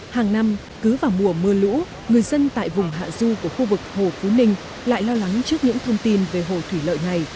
hàng năm cứ vào mùa mưa lũ người dân tại vùng hạ du của khu vực hồ phú ninh lại lo lắng trước những thông tin về hồ thủy lợi này